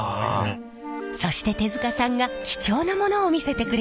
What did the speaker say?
そして手塚さんが貴重なものを見せてくれました。